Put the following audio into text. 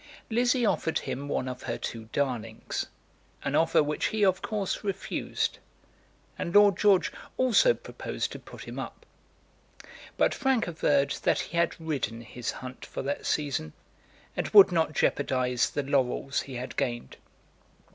Lizzie offered him one of her two darlings, an offer which he, of course, refused; and Lord George also proposed to put him up. But Frank averred that he had ridden his hunt for that season, and would not jeopardise the laurels he had gained.